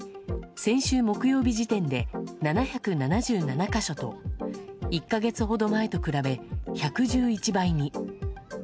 先週木曜日時点で、７７７か所と、１か月ほど前と比べ１１１倍に。